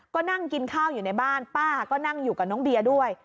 ก็นั่งกินข้าวอยู่ในบ้านป้าก็นั่งอยู่กับน้องเบียร์ด้วย